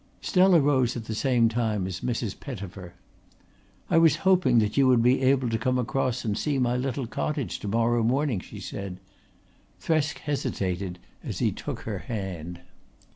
Stella rose at the same time as Mrs. Pettifer. "I was hoping that you would be able to come across and see my little cottage to morrow morning," she said. Thresk hesitated as he took her hand.